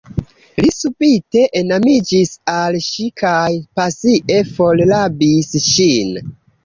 Li subite enamiĝis al ŝi kaj pasie forrabis ŝin.